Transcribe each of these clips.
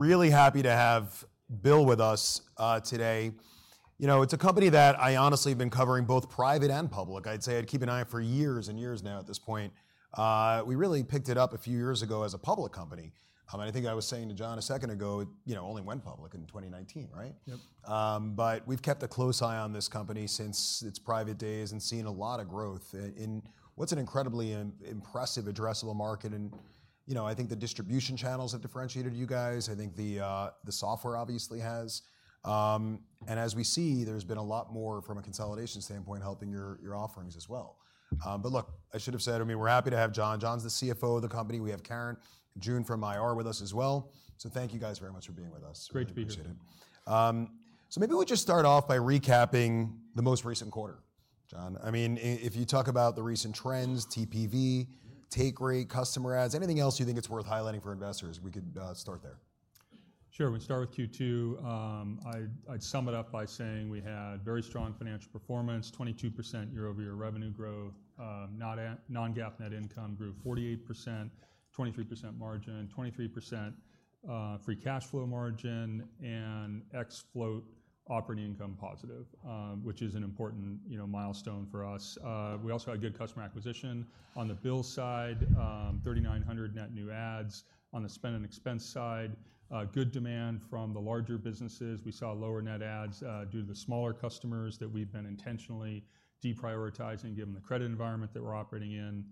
Really happy to have BILL with us, today. You know, it's a company that I honestly have been covering both private and public. I'd say I'd keep an eye out for years and years now at this point. We really picked it up a few years ago as a public company. And I think I was saying to John a second ago, it, you know, only went public in 2019, right? Yep. But we've kept a close eye on this company since its private days and seen a lot of growth in what's an incredibly impressive addressable market. You know, I think the distribution channels have differentiated you guys. I think the software obviously has. And as we see, there's been a lot more from a consolidation standpoint, helping your offerings as well. But look, I should have said, I mean, we're happy to have John. John's the CFO of the company. We have Karen Sansot from IR with us as well. So thank you guys very much for being with us. Great to be here. Appreciate it. So maybe we'll just start off by recapping the most recent quarter, John. I mean, if you talk about the recent trends, TPV, take rate, customer adds, anything else you think it's worth highlighting for investors, we could start there. Sure. We start with Q2. I'd sum it up by saying we had very strong financial performance, 22% year-over-year revenue growth, non-GAAP net income grew 48%, 23% margin, 23%, free cash flow margin, and ex-float operating income positive, which is an important, you know, milestone for us. We also had good customer acquisition. On the BILL side, 3,900 net new adds. On the Spend & Expense side, good demand from the larger businesses. We saw lower net adds due to the smaller customers that we've been intentionally deprioritizing, given the credit environment that we're operating in.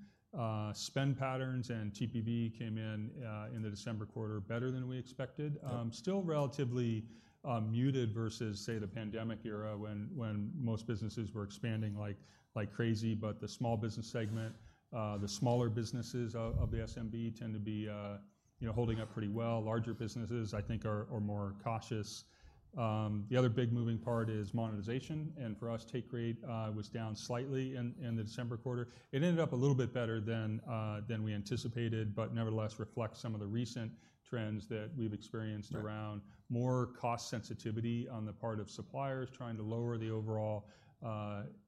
Spend patterns and TPV came in in the December quarter, better than we expected. Yep. Still relatively muted versus, say, the pandemic era, when most businesses were expanding, like crazy. But the small business segment, the smaller businesses of the SMB tend to be, you know, holding up pretty well. Larger businesses, I think, are more cautious. The other big moving part is monetization, and for us, take rate was down slightly in the December quarter. It ended up a little bit better than we anticipated, but nevertheless reflects some of the recent trends that we've experienced around- Right.... more cost sensitivity on the part of suppliers trying to lower the overall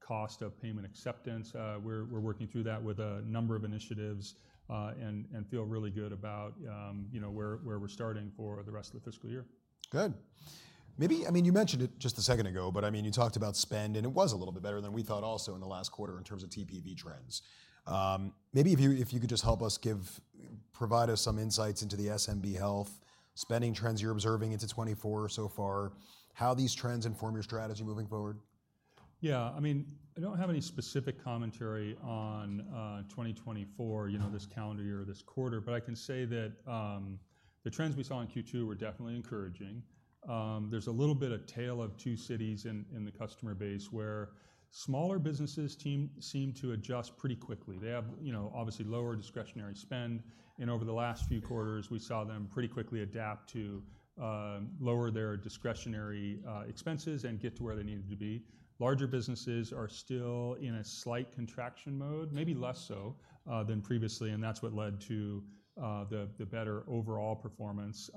cost of payment acceptance. We're working through that with a number of initiatives, and feel really good about, you know, where we're starting for the rest of the fiscal year. Good. Maybe, I mean, you mentioned it just a second ago, but I mean, you talked about spend, and it was a little bit better than we thought also in the last quarter in terms of TPV trends. Maybe if you could just provide us some insights into the SMB health spending trends you're observing into 2024 so far, how these trends inform your strategy moving forward. Yeah. I mean, I don't have any specific commentary on 2024, you know, this calendar year or this quarter, but I can say that the trends we saw in Q2 were definitely encouraging. There's a little bit of Tale of Two Cities in the customer base, where smaller businesses seem to adjust pretty quickly. They have, you know, obviously lower discretionary spend, and over the last few quarters, we saw them pretty quickly adapt to lower their discretionary expenses and get to where they needed to be. Larger businesses are still in a slight contraction mode, maybe less so than previously, and that's what led to the better overall performance.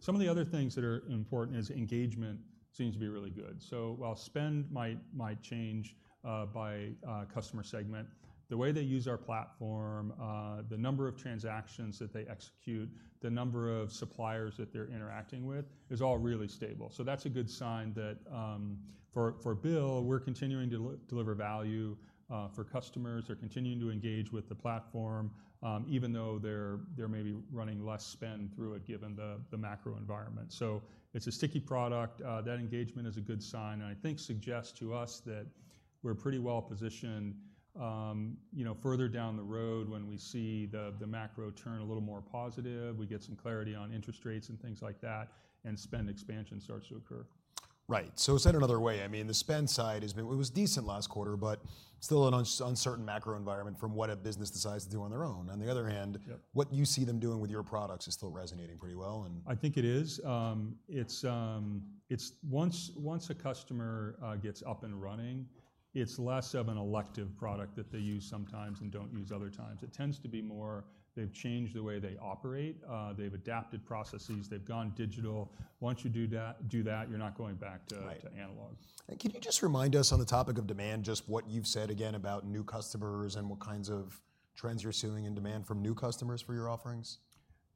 Some of the other things that are important is engagement seems to be really good. So while spend might change by customer segment, the way they use our platform, the number of transactions that they execute, the number of suppliers that they're interacting with, is all really stable. So that's a good sign that for BILL, we're continuing to deliver value for customers. They're continuing to engage with the platform, even though they're maybe running less spend through it, given the macro environment. So it's a sticky product. That engagement is a good sign, and I think suggests to us that we're pretty well positioned, you know, further down the road when we see the macro turn a little more positive, we get some clarity on interest rates and things like that, and spend expansion starts to occur. Right. So said another way, I mean, the spend side has been. It was decent last quarter, but still an uncertain macro environment from what a business decides to do on their own. On the other hand,- Yep. ...what you see them doing with your products is still resonating pretty well, and- I think it is. It's once a customer gets up and running, it's less of an elective product that they use sometimes and don't use other times. It tends to be more, they've changed the way they operate, they've adapted processes, they've gone digital. Once you do that, you're not going back to- Right.... to analog. Can you just remind us on the topic of demand, just what you've said again about new customers and what kinds of trends you're seeing in demand from new customers for your offerings?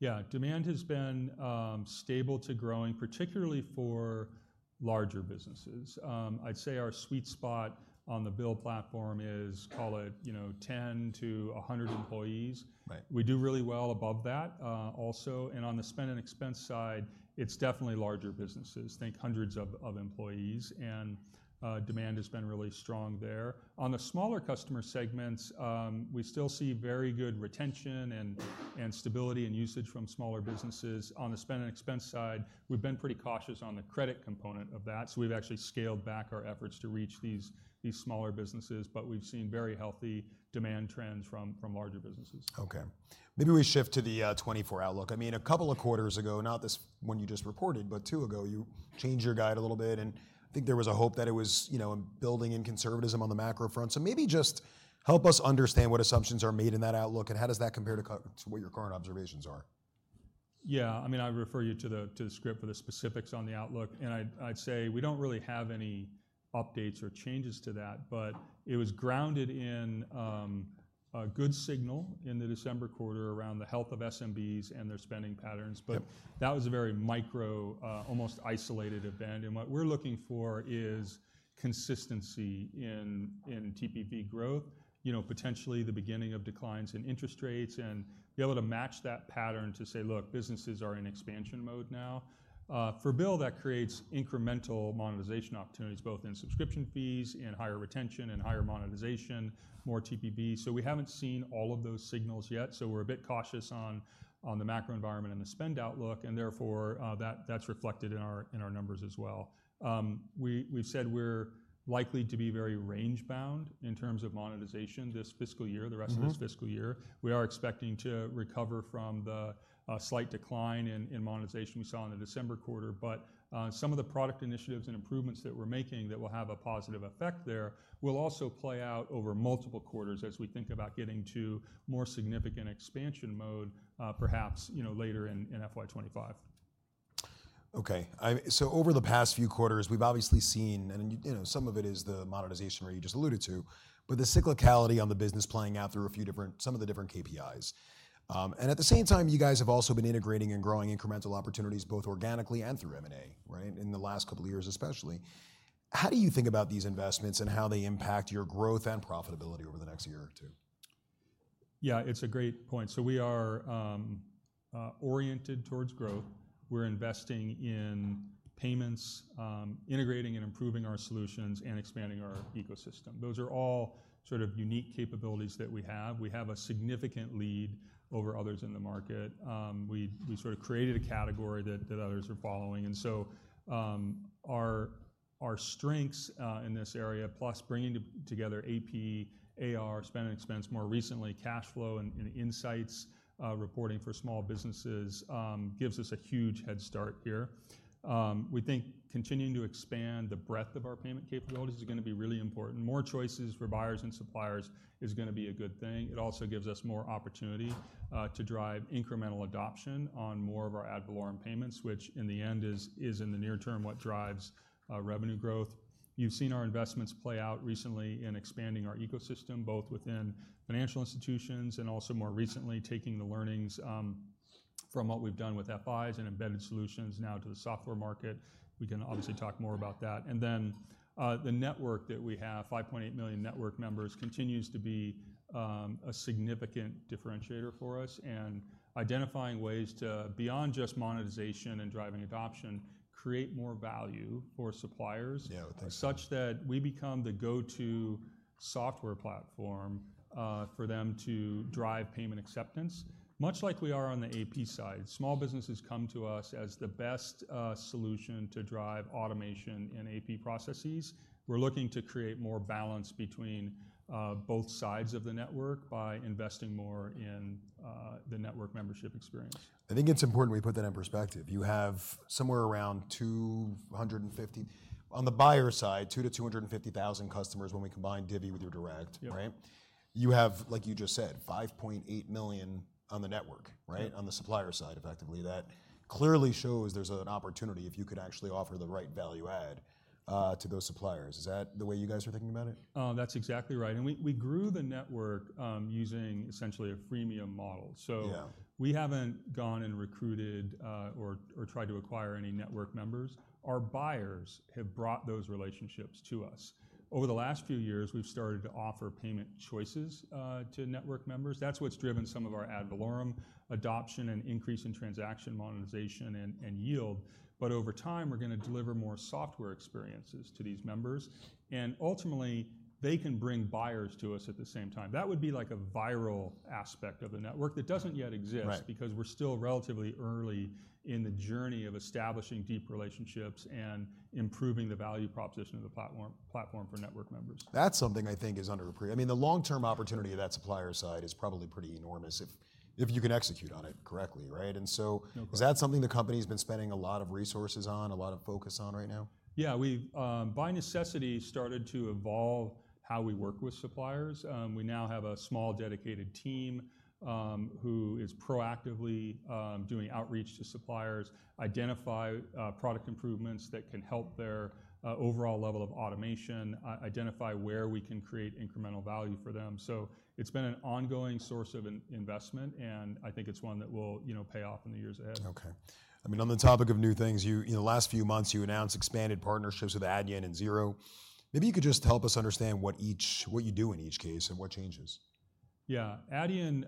Yeah. Demand has been stable to growing, particularly for larger businesses. I'd say our sweet spot on the BILL platform is, call it, you know, 10-100 employees. Right. We do really well above that, also, and on the Spend & Expense side, it's definitely larger businesses. Think hundreds of employees, and demand has been really strong there. On the smaller customer segments, we still see very good retention and stability and usage from smaller businesses. On the Spend & Expense side, we've been pretty cautious on the credit component of that, so we've actually scaled back our efforts to reach these smaller businesses, but we've seen very healthy demand trends from larger businesses. Okay. Maybe we shift to the 2024 outlook. I mean, a couple of quarters ago, not this one you just reported, but two ago, you changed your guide a little bit, and I think there was a hope that it was, you know, building in conservatism on the macro front. So maybe just help us understand what assumptions are made in that outlook, and how does that compare to what your current observations are? Yeah. I mean, I'd refer you to the script for the specifics on the outlook. And I'd say we don't really have any updates or changes to that, but it was grounded in a good signal in the December quarter around the health of SMBs and their spending patterns. Yep. But that was a very micro, almost isolated event, and what we're looking for is consistency in TPV growth, you know, potentially the beginning of declines in interest rates, and be able to match that pattern to say, "Look, businesses are in expansion mode now." For BILL, that creates incremental monetization opportunities, both in subscription fees, in higher retention, and higher monetization, more TPV. So we haven't seen all of those signals yet, so we're a bit cautious on the macro environment and the spend outlook, and therefore, that's reflected in our numbers as well. We've said we're likely to be very range-bound in terms of monetization this fiscal year- Mm-hmm. the rest of this fiscal year. We are expecting to recover from the slight decline in monetization we saw in the December quarter. But some of the product initiatives and improvements that we're making that will have a positive effect there will also play out over multiple quarters as we think about getting to more significant expansion mode, perhaps, you know, later in FY 2025. Okay. So over the past few quarters, we've obviously seen, you know, some of it is the monetization where you just alluded to, but the cyclicality on the business playing out through a few different, some of the different KPIs. And at the same time, you guys have also been integrating and growing incremental opportunities, both organically and through M&A, right? In the last couple of years, especially. How do you think about these investments and how they impact your growth and profitability over the next year or two? Yeah, it's a great point. So we are oriented towards growth. We're investing in payments, integrating and improving our solutions, and expanding our ecosystem. Those are all sort of unique capabilities that we have. We have a significant lead over others in the market. We sort of created a category that others are following, and so, our strengths in this area, plus bringing together AP, AR, Spend & Expense, more recently, cash flow and insights reporting for small businesses, gives us a huge head start here. We think continuing to expand the breadth of our payment capabilities is gonna be really important. More choices for buyers and suppliers is gonna be a good thing. It also gives us more opportunity to drive incremental adoption on more of our ad valorem payments, which in the end is in the near term what drives revenue growth. You've seen our investments play out recently in expanding our ecosystem, both within financial institutions and also more recently, taking the learnings from what we've done with FIs and embedded solutions now to the software market. We can obviously talk more about that. And then the network that we have, 5.8 million network members, continues to be a significant differentiator for us and identifying ways to, beyond just monetization and driving adoption, create more value for suppliers- Yeah, I would think so. such that we become the go-to software platform, for them to drive payment acceptance, much like we are on the AP side. Small businesses come to us as the best, solution to drive automation in AP processes. We're looking to create more balance between, both sides of the network by investing more in, the network membership experience. I think it's important we put that in perspective. You have somewhere around 250, on the buyer side, 200,000-250,000 customers when we combine Divvy with your direct. Yep. Right? You have, like you just said, 5.8 million on the network, right? Yeah. On the supplier side, effectively. That clearly shows there's an opportunity if you could actually offer the right value add to those suppliers. Is that the way you guys are thinking about it? That's exactly right, and we grew the network using essentially a freemium model. So- Yeah.... we haven't gone and recruited, or tried to acquire any network members. Our buyers have brought those relationships to us. Over the last few years, we've started to offer payment choices to network members. That's what's driven some of our ad valorem adoption and increase in transaction monetization and yield. But over time, we're gonna deliver more software experiences to these members, and ultimately, they can bring buyers to us at the same time. That would be like a viral aspect of the network that doesn't yet exist- Right.... because we're still relatively early in the journey of establishing deep relationships and improving the value proposition of the platform for network members. That's something I think is underappreciated. I mean, the long-term opportunity of that supplier side is probably pretty enormous if, if you can execute on it correctly, right? And so- No problem... is that something the company's been spending a lot of resources on, a lot of focus on right now? Yeah, we've, by necessity, started to evolve how we work with suppliers. We now have a small, dedicated team who is proactively doing outreach to suppliers, identify product improvements that can help their overall level of automation, identify where we can create incremental value for them. So it's been an ongoing source of investment, and I think it's one that will, you know, pay off in the years ahead. Okay. I mean, on the topic of new things, you, in the last few months, you announced expanded partnerships with Adyen and Xero. Maybe you could just help us understand what you do in each case and what changes. Yeah. Adyen,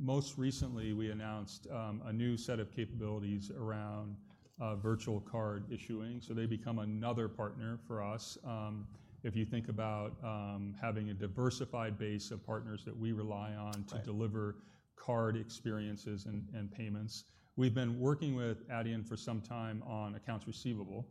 most recently, we announced a new set of capabilities around virtual card issuing, so they become another partner for us. If you think about having a diversified base of partners that we rely on- Right.... to deliver card experiences and payments. We've been working with Adyen for some time on accounts receivable.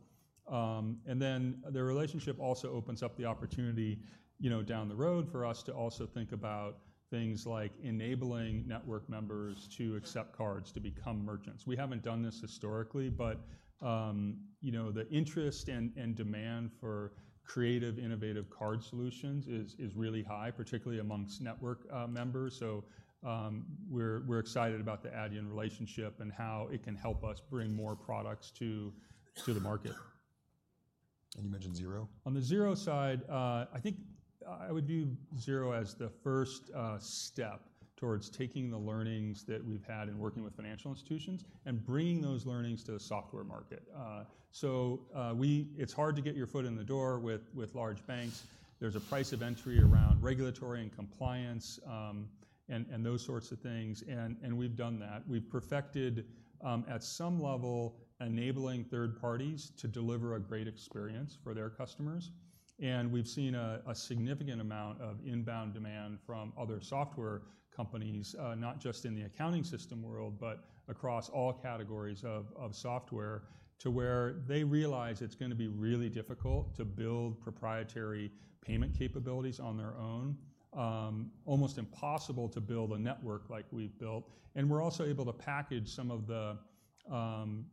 And then the relationship also opens up the opportunity, you know, down the road for us to also think about things like enabling network members to accept cards to become merchants. We haven't done this historically, but, you know, the interest and demand for creative, innovative card solutions is really high, particularly amongst network members. So, we're excited about the Adyen relationship and how it can help us bring more products to the market. You mentioned Xero? On the Xero side, I think, I would view Xero as the first step towards taking the learnings that we've had in working with financial institutions and bringing those learnings to the software market. It's hard to get your foot in the door with large banks. There's a price of entry around regulatory and compliance, and those sorts of things, and we've done that. We've perfected, at some level, enabling third parties to deliver a great experience for their customers, and we've seen a significant amount of inbound demand from other software companies, not just in the accounting system world, but across all categories of software, to where they realize it's gonna be really difficult to build proprietary payment capabilities on their own. Almost impossible to build a network like we've built, and we're also able to package some of the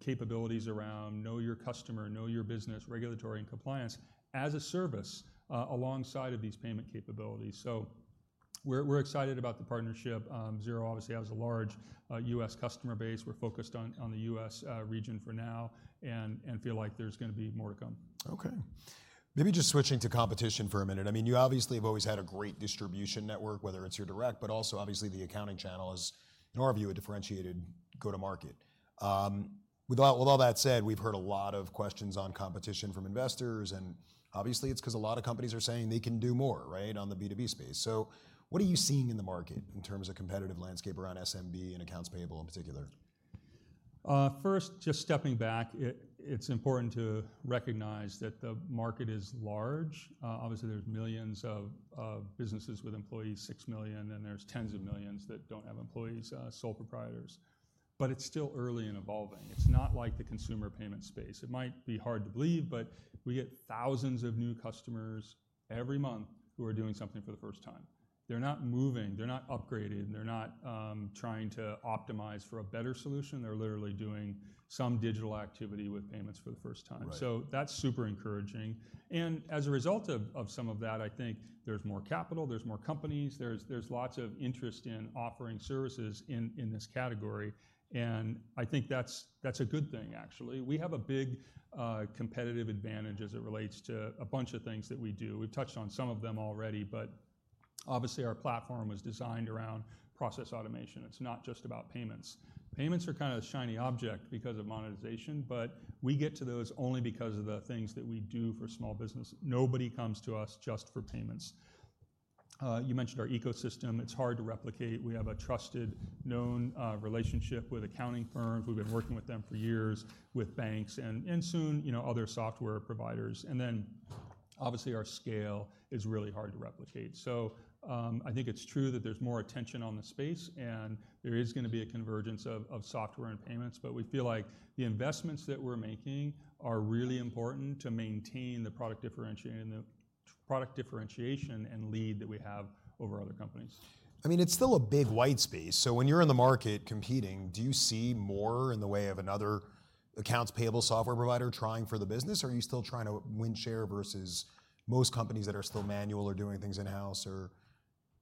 capabilities around know your customer, know your business, regulatory, and compliance as a service, alongside of these payment capabilities. So we're, we're excited about the partnership. Xero obviously has a large U.S. customer base. We're focused on the U.S. region for now and feel like there's gonna be more to come. Okay. Maybe just switching to competition for a minute. I mean, you obviously have always had a great distribution network, whether it's your direct, but also obviously the accounting channel is, in our view, a differentiated go-to-market. With all, with all that said, we've heard a lot of questions on competition from investors, and obviously it's 'cause a lot of companies are saying they can do more, right, on the B2B space. So what are you seeing in the market in terms of competitive landscape around SMB and accounts payable in particular? First, just stepping back, it's important to recognize that the market is large. Obviously, there's millions of businesses with employees, 6 million, and there's tens of millions that don't have employees, sole proprietors, but it's still early and evolving. It's not like the consumer payment space. It might be hard to believe, but we get thousands of new customers every month who are doing something for the first time. They're not moving, they're not upgrading, they're not trying to optimize for a better solution. They're literally doing some digital activity with payments for the first time. Right. So that's super encouraging, and as a result of some of that, I think there's more capital, there's more companies, lots of interest in offering services in this category, and I think that's a good thing, actually. We have a big competitive advantage as it relates to a bunch of things that we do. We've touched on some of them already, but obviously, our platform was designed around process automation. It's not just about payments. Payments are kind of the shiny object because of monetization, but we get to those only because of the things that we do for small business. Nobody comes to us just for payments. You mentioned our ecosystem. It's hard to replicate. We have a trusted, known relationship with accounting firms. We've been working with them for years, with banks, and soon, you know, other software providers. Then, obviously, our scale is really hard to replicate. So, I think it's true that there's more attention on the space, and there is gonna be a convergence of software and payments, but we feel like the investments that we're making are really important to maintain the product differentiation and lead that we have over other companies. I mean, it's still a big wide space, so when you're in the market competing, do you see more in the way of another accounts payable software provider trying for the business? Or are you still trying to win share versus most companies that are still manual or doing things in-house? Or,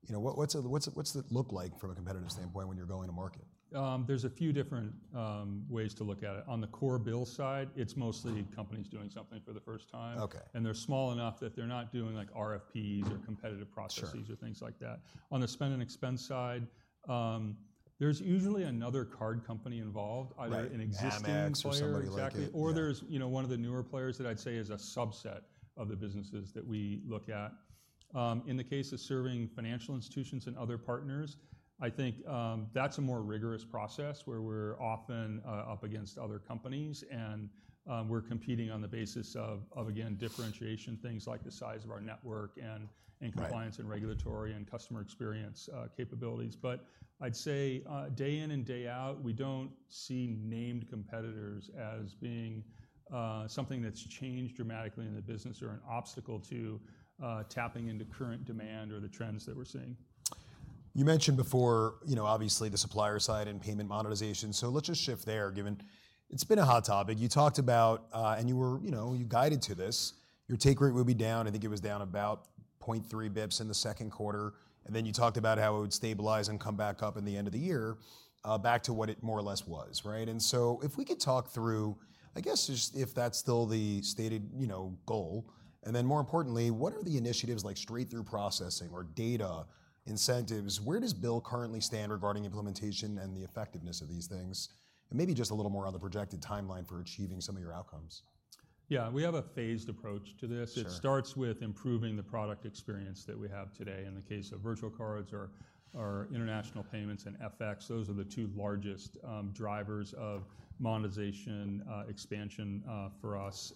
you know, what's it look like from a competitive standpoint when you're going to market? There's a few different ways to look at it. On the core BILL side, it's mostly companies doing something for the first time. Okay. They're small enough that they're not doing, like, RFPs or competitive processes- Sure.... or things like that. On the Spend & Expense side, there's usually another card company involved. Right.... either an existing player. Amex or somebody like it. Exactly. Yeah. Or there's, you know, one of the newer players that I'd say is a subset of the businesses that we look at. In the case of serving financial institutions and other partners, I think that's a more rigorous process, where we're often up against other companies, and we're competing on the basis of again, differentiation, things like the size of our network and, and- Right.... compliance and regulatory and customer experience capabilities. But I'd say, day in and day out, we don't see named competitors as being, something that's changed dramatically in the business or an obstacle to, tapping into current demand or the trends that we're seeing. You mentioned before, you know, obviously, the supplier side and payment monetization, so let's just shift there, given it's been a hot topic. You talked about, you know, you guided to this. Your take rate would be down. I think it was down about 0.3 basis points in the second quarter, and then you talked about how it would stabilize and come back up in the end of the year, back to what it more or less was, right? And so if we could talk through, I guess just if that's still the stated, you know, goal. And then more importantly, what are the initiatives like straight-through processing or data incentives? Where does BILL currently stand regarding implementation and the effectiveness of these things? And maybe just a little more on the projected timeline for achieving some of your outcomes. Yeah, we have a phased approach to this. Sure. It starts with improving the product experience that we have today. In the case of virtual cards or international payments and FX, those are the two largest drivers of monetization, expansion, for us.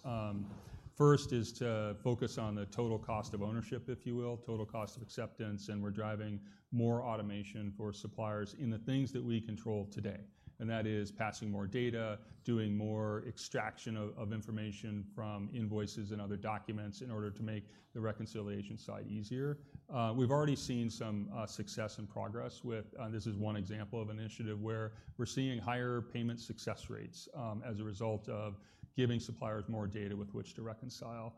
First is to focus on the total cost of ownership, if you will, total cost of acceptance, and we're driving more automation for suppliers in the things that we control today, and that is passing more data, doing more extraction of information from invoices and other documents in order to make the reconciliation side easier. We've already seen some success and progress with this is one example of an initiative where we're seeing higher payment success rates, as a result of giving suppliers more data with which to reconcile.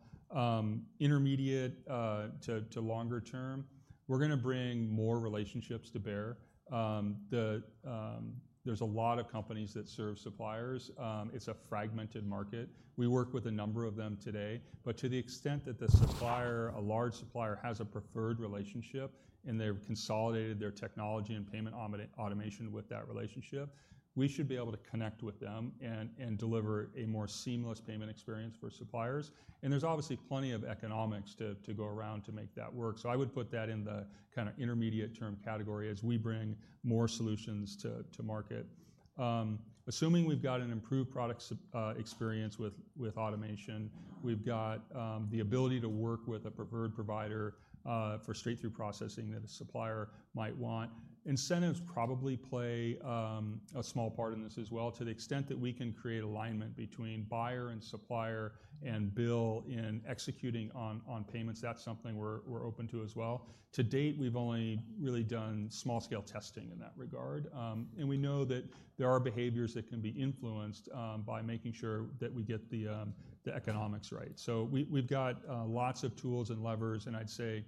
Intermediate to longer term, we're gonna bring more relationships to bear. There's a lot of companies that serve suppliers. It's a fragmented market. We work with a number of them today, but to the extent that the supplier, a large supplier, has a preferred relationship, and they've consolidated their technology and payment automation with that relationship, we should be able to connect with them and deliver a more seamless payment experience for suppliers. And there's obviously plenty of economics to go around to make that work. So I would put that in the kinda intermediate-term category as we bring more solutions to market. Assuming we've got an improved product experience with automation, we've got the ability to work with a preferred provider for straight-through processing that a supplier might want. Incentives probably play a small part in this as well. To the extent that we can create alignment between buyer and supplier and BILL in executing on payments, that's something we're open to as well. To date, we've only really done small-scale testing in that regard, and we know that there are behaviors that can be influenced by making sure that we get the economics right. So we've got lots of tools and levers, and I'd say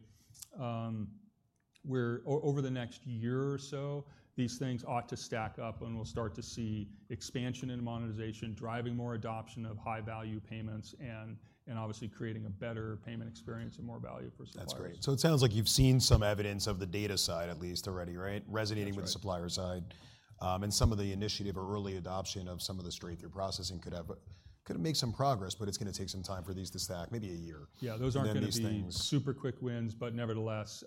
we're over the next year or so, these things ought to stack up, and we'll start to see expansion in monetization, driving more adoption of high-value payments, and obviously creating a better payment experience and more value for suppliers. That's great. So it sounds like you've seen some evidence of the data side, at least already, right? That's right. Resonating with the supplier side, and some of the initiative or early adoption of some of the straight-through processing could have made some progress, but it's gonna take some time for these to stack, maybe a year. Yeah, those aren't- And then these things-... gonna be super quick wins, but nevertheless,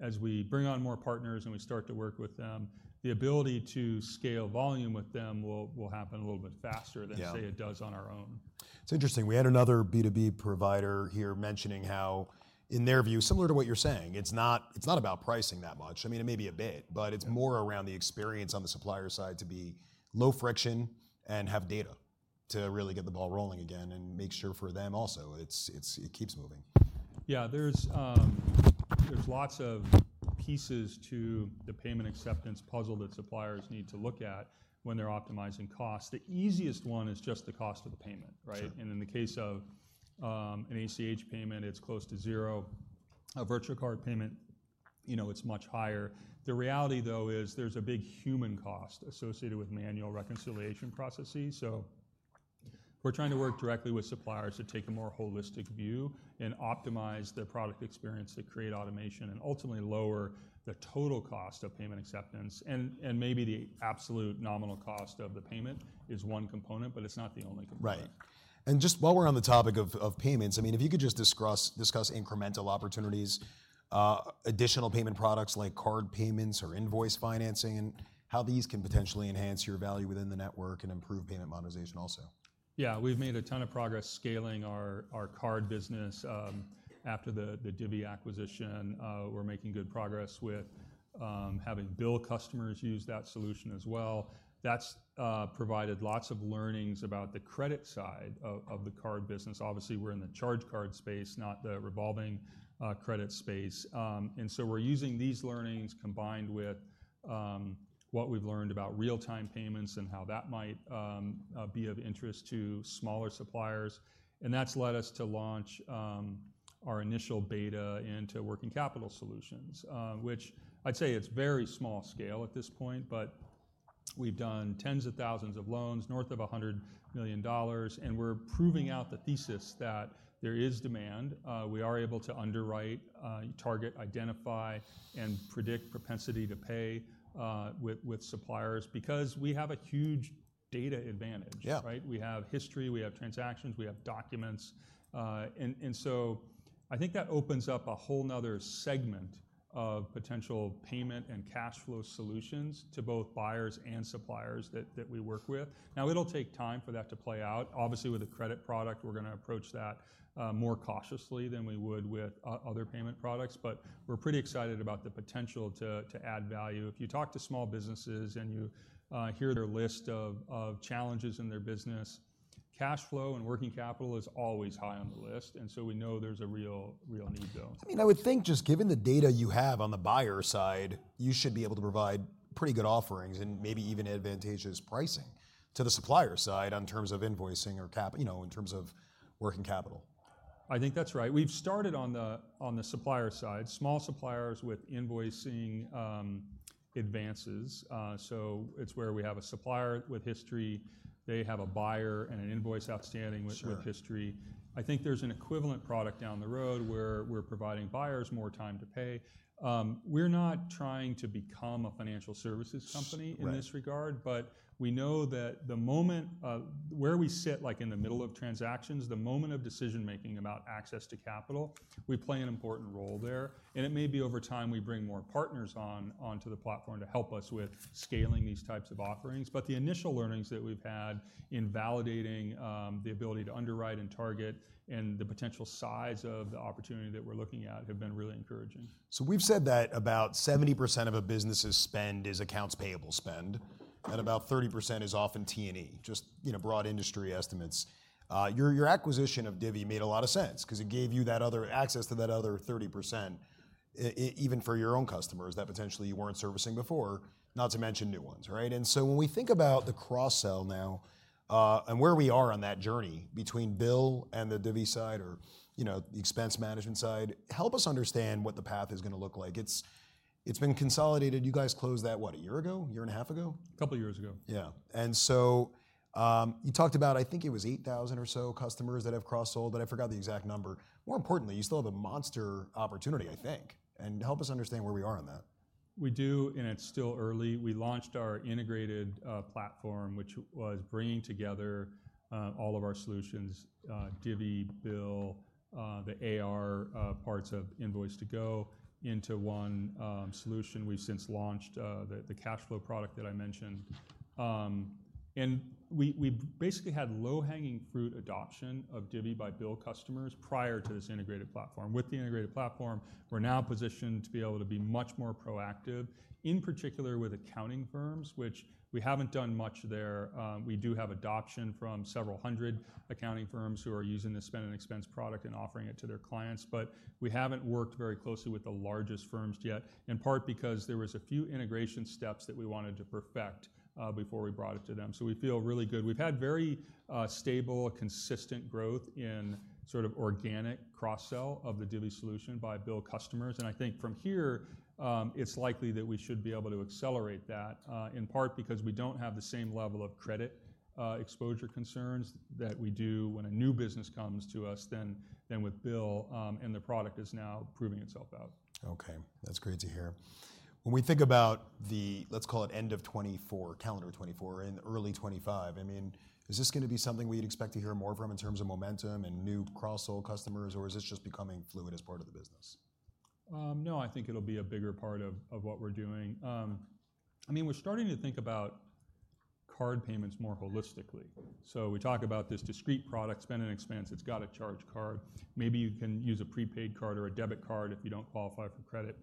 as we bring on more partners and we start to work with them, the ability to scale volume with them will happen a little bit faster- Yeah.... than, say, it does on our own. It's interesting, we had another B2B provider here mentioning how in their view, similar to what you're saying, it's not, it's not about pricing that much. I mean, it may be a bit- Yeah.... but it's more around the experience on the supplier side to be low friction and have data to really get the ball rolling again and make sure for them also, it keeps moving. Yeah, there's, there's lots of pieces to the payment acceptance puzzle that suppliers need to look at when they're optimizing costs. The easiest one is just the cost of the payment, right? Sure. In the case of an ACH payment, it's close to zero. A virtual card payment, you know, it's much higher. The reality, though, is there's a big human cost associated with manual reconciliation processes, so we're trying to work directly with suppliers to take a more holistic view and optimize their product experience to create automation and ultimately lower the total cost of payment acceptance. And maybe the absolute nominal cost of the payment is one component, but it's not the only component. Right. Just while we're on the topic of payments, I mean, if you could just discuss incremental opportunities, additional payment products like card payments or invoice financing, and how these can potentially enhance your value within the network and improve payment monetization also. Yeah, we've made a ton of progress scaling our card business. After the Divvy acquisition, we're making good progress with having BILL customers use that solution as well. That's provided lots of learnings about the credit side of the card business. Obviously, we're in the charge card space, not the revolving credit space. And so we're using these learnings, combined with what we've learned about real-time payments and how that might be of interest to smaller suppliers, and that's led us to launch our initial beta into working capital solutions. Which I'd say it's very small scale at this point, but we've done tens of thousands of loans, north of $100 million, and we're proving out the thesis that there is demand. We are able to underwrite, target, identify, and predict propensity to pay with suppliers because we have a huge data advantage. Yeah. Right? We have history, we have transactions, we have documents, and so I think that opens up a whole nother segment of potential payment and cash flow solutions to both buyers and suppliers that we work with. Now, it'll take time for that to play out. Obviously, with a credit product, we're gonna approach that more cautiously than we would with other payment products, but we're pretty excited about the potential to add value. If you talk to small businesses and you hear their list of challenges in their business, cash flow and working capital is always high on the list, and so we know there's a real need there. I mean, I would think just given the data you have on the buyer side, you should be able to provide pretty good offerings and maybe even advantageous pricing to the supplier side in terms of invoicing or cap- you know, in terms of working capital. I think that's right. We've started on the supplier side, small suppliers with invoicing advances. So it's where we have a supplier with history, they have a buyer and an invoice outstanding with- Sure. -with history. I think there's an equivalent product down the road, where we're providing buyers more time to pay. We're not trying to become a financial services company- Right. in this regard, but we know that the moment where we sit, like in the middle of transactions, the moment of decision-making about access to capital, we play an important role there. And it may be over time, we bring more partners on, onto the platform to help us with scaling these types of offerings. But the initial learnings that we've had in validating the ability to underwrite and target and the potential size of the opportunity that we're looking at have been really encouraging. So we've said that about 70% of a business's spend is accounts payable spend, and about 30% is often T&E, just, you know, broad industry estimates. Your acquisition of Divvy made a lot of sense 'cause it gave you that other access to that other 30%, even for your own customers that potentially you weren't servicing before, not to mention new ones, right? And so when we think about the cross-sell now, and where we are on that journey between BILL and the Divvy side or, you know, the expense management side, help us understand what the path is gonna look like. It's been consolidated. You guys closed that, what, a year ago? A year and a half ago? A couple of years ago. Yeah. And so, you talked about, I think it was 8,000 or so customers that have cross-sold, but I forgot the exact number. More importantly, you still have a monster opportunity, I think, and help us understand where we are on that. We do, and it's still early. We launched our integrated platform, which was bringing together all of our solutions, Divvy, BILL, the AR parts of Invoice2go, into one solution. We've since launched the cash flow product that I mentioned. And we basically had low-hanging fruit adoption of Divvy by BILL customers prior to this integrated platform. With the integrated platform, we're now positioned to be able to be much more proactive, in particular, with accounting firms, which we haven't done much there. We do have adoption from several hundred accounting firms who are using the Spend & Expense product and offering it to their clients, but we haven't worked very closely with the largest firms yet, in part because there was a few integration steps that we wanted to perfect before we brought it to them. So we feel really good. We've had very, stable, consistent growth in sort of organic cross-sell of the Divvy solution by BILL customers, and I think from here, it's likely that we should be able to accelerate that, in part because we don't have the same level of credit, exposure concerns that we do when a new business comes to us than with BILL, and the product is now proving itself out. Okay, that's great to hear. When we think about the, let's call it end of 2024, calendar 2024 and early 2025, I mean, is this gonna be something we'd expect to hear more from in terms of momentum and new cross-sell customers, or is this just becoming fluid as part of the business? No, I think it'll be a bigger part of, of what we're doing. I mean, we're starting to think about card payments more holistically. So we talk about this discrete product, Spend & Expense, it's got a charge card. Maybe you can use a prepaid card or a debit card if you don't qualify for credit.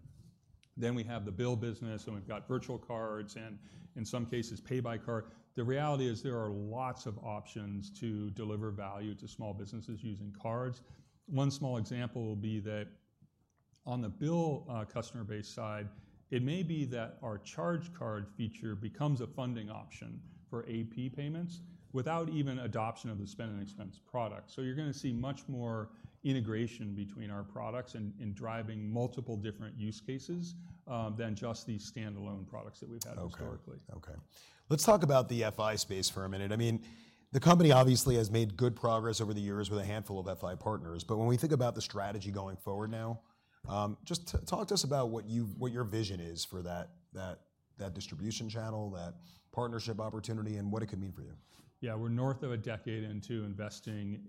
Then we have the BILL business, and we've got virtual cards, and in some cases, Pay By Card. The reality is there are lots of options to deliver value to small businesses using cards. One small example would be that on the BILL customer base side, it may be that our charge card feature becomes a funding option for AP payments without even adoption of the Spend & Expense product. So you're gonna see much more integration between our products and driving multiple different use cases than just the standalone products that we've had historically. Okay. Okay. Let's talk about the FI space for a minute. I mean, the company obviously has made good progress over the years with a handful of FI partners, but when we think about the strategy going forward now, just talk to us about what you, what your vision is for that, that, that distribution channel, that partnership opportunity, and what it could mean for you. Yeah. We're north of a decade into investing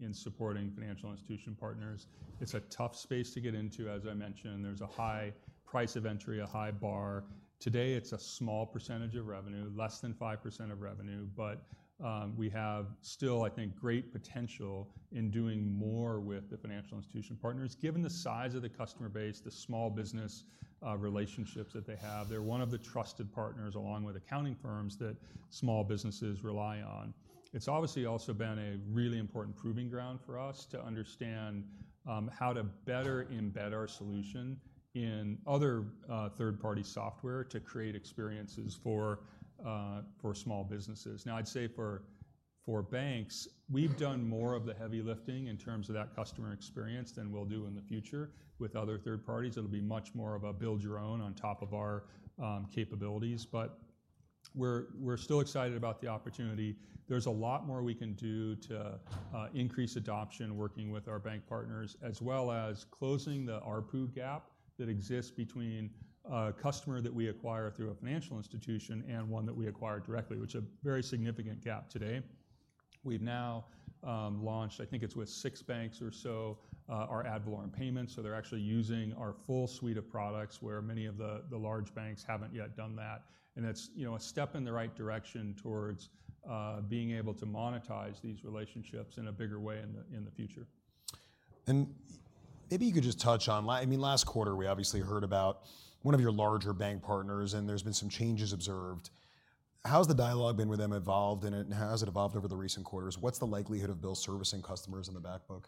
in supporting financial institution partners. It's a tough space to get into. As I mentioned, there's a high price of entry, a high bar. Today, it's a small percentage of revenue, less than 5% of revenue, but, we have still, I think, great potential in doing more with the financial institution partners. Given the size of the customer base, the small business, relationships that they have, they're one of the trusted partners, along with accounting firms, that small businesses rely on. It's obviously also been a really important proving ground for us to understand, how to better embed our solution in other, third-party software to create experiences for, for small businesses. Now, I'd say for banks, we've done more of the heavy lifting in terms of that customer experience than we'll do in the future with other third parties. It'll be much more of a build your own on top of our capabilities, but we're still excited about the opportunity. There's a lot more we can do to increase adoption, working with our bank partners, as well as closing the ARPU gap that exists between a customer that we acquire through a financial institution and one that we acquire directly, which a very significant gap today. We've now launched, I think it's with six banks or so our ad valorem payments, so they're actually using our full suite of products, where many of the large banks haven't yet done that. It's, you know, a step in the right direction towards being able to monetize these relationships in a bigger way in the future. And maybe you could just touch on—I mean, last quarter, we obviously heard about one of your larger bank partners, and there's been some changes observed. How's the dialogue been with them evolved, and how has it evolved over the recent quarters? What's the likelihood of BILL servicing customers in the back book?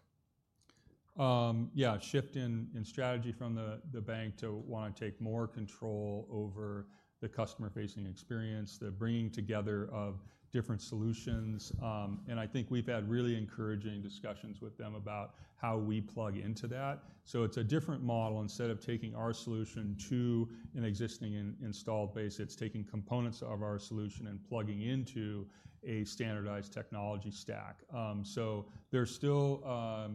Yeah, a shift in strategy from the bank to want to take more control over the customer-facing experience, the bringing together of different solutions. And I think we've had really encouraging discussions with them about how we plug into that. So it's a different model. Instead of taking our solution to an existing installed base, it's taking components of our solution and plugging into a standardized technology stack. So there's still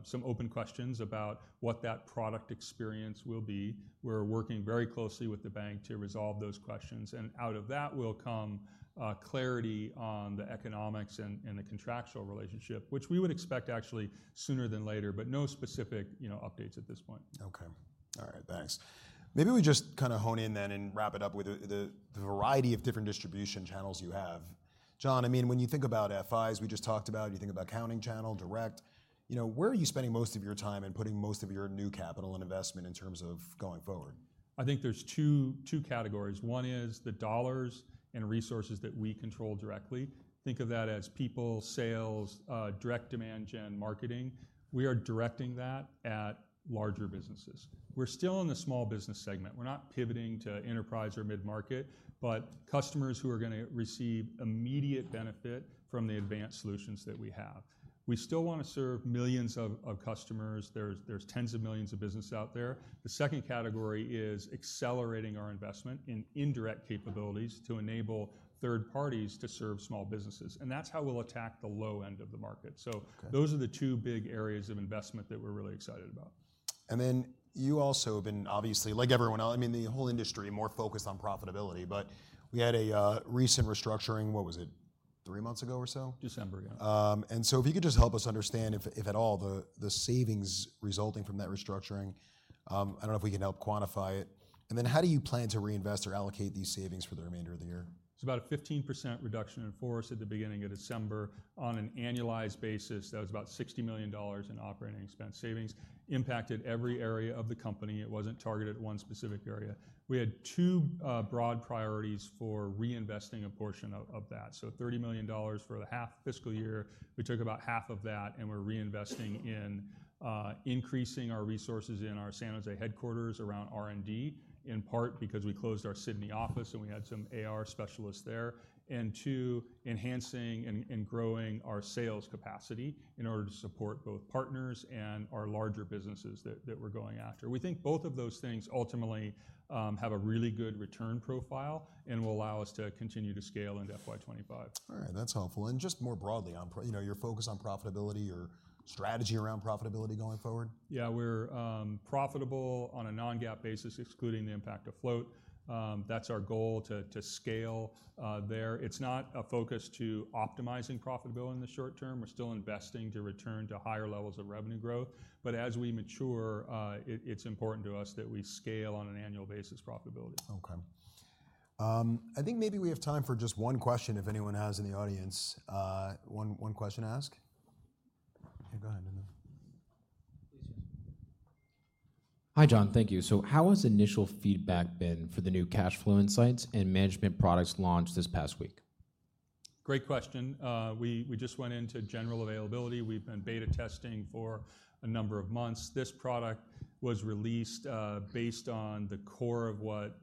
some open questions about what that product experience will be. We're working very closely with the bank to resolve those questions, and out of that will come clarity on the economics and the contractual relationship, which we would expect actually sooner than later, but no specific, you know, updates at this point. Okay. All right, thanks. Maybe we just kinda hone in then and wrap it up with the variety of different distribution channels you have. John, I mean, when you think about FIs, we just talked about, you think about accounting channel, direct, you know, where are you spending most of your time and putting most of your new capital and investment in terms of going forward? I think there's two, two categories. One is the dollars and resources that we control directly. Think of that as people, sales, direct demand gen marketing. We are directing that at larger businesses. We're still in the small business segment. We're not pivoting to enterprise or mid-market, but customers who are gonna receive immediate benefit from the advanced solutions that we have. We still wanna serve millions of, of customers. There's, there's tens of millions of businesses out there. The second category is accelerating our investment in indirect capabilities to enable third parties to serve small businesses, and that's how we'll attack the low end of the market. Okay. Those are the two big areas of investment that we're really excited about. And then you also have been obviously, like everyone else, I mean, the whole industry, more focused on profitability, but we had a recent restructuring, what was it, three months ago or so? December, yeah. And so, if you could just help us understand, if at all, the savings resulting from that restructuring? I don't know if we can help quantify it, and then how do you plan to reinvest or allocate these savings for the remainder of the year? It's about a 15% reduction in force at the beginning of December. On an annualized basis, that was about $60 million in operating expense savings, impacted every area of the company. It wasn't targeted at one specific area. We had two, broad priorities for reinvesting a portion of, of that. So $30 million for the half fiscal year, we took about half of that, and we're reinvesting in, increasing our resources in our San Jose headquarters around R&D, in part because we closed our Sydney office, and we had some AR specialists there. And two, enhancing and growing our sales capacity in order to support both partners and our larger businesses that we're going after. We think both of those things ultimately, have a really good return profile and will allow us to continue to scale into FY 2025. All right, that's helpful. And just more broadly on you know, your focus on profitability or strategy around profitability going forward? Yeah, we're profitable on a non-GAAP basis, excluding the impact of float. That's our goal to scale there. It's not a focus to optimizing profitability in the short term. We're still investing to return to higher levels of revenue growth, but as we mature, it's important to us that we scale on an annual basis profitability. Okay. I think maybe we have time for just one question, if anyone has in the audience, one question to ask? Yeah, go ahead. Please, yes. Hi, John. Thank you. So how has initial feedback been for the new Cash Flow Insights and management products launched this past week? Great question. We just went into general availability. We've been beta testing for a number of months. This product was released based on the core of what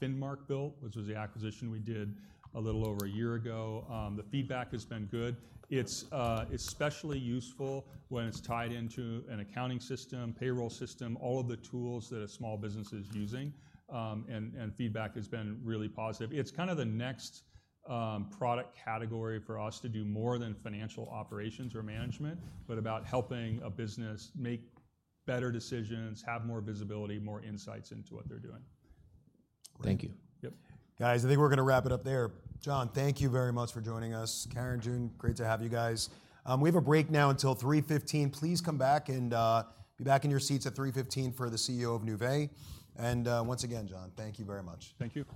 Finmark built, which was the acquisition we did a little over a year ago. The feedback has been good. It's especially useful when it's tied into an accounting system, payroll system, all of the tools that a small business is using, and feedback has been really positive. It's kind of the next product category for us to do more than financial operations or management, but about helping a business make better decisions, have more visibility, more insights into what they're doing. Thank you. Yep. Guys, I think we're gonna wrap it up there. John, thank you very much for joining us. Karen Sansot, great to have you guys. We have a break now until 3:15 P.M. Please come back and be back in your seats at 3:15 P.M. for the CEO of Nuvei. Once again, John, thank you very much. Thank you.